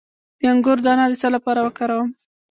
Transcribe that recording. د انګور دانه د څه لپاره وکاروم؟